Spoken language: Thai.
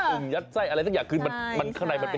อ๋ออึ่งยัดไส้อะไรสักอย่างคือข้างในมันเป็นไข่อย่างนี้